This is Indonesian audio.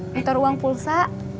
menter uang pulsa